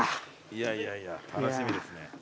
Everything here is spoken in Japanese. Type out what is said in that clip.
いやいやいや楽しみですね。